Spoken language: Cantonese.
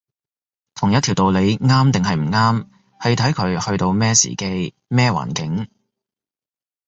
同一條道理啱定唔啱，係睇佢去到咩時機，咩環境